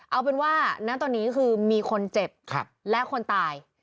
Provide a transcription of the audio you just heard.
เอาเป็นว่าณตอนนี้คือมีคนเจ็บและคนตาย